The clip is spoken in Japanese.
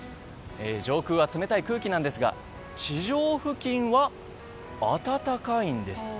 上空は冷たい空気なんですが地上付近は暖かいんです。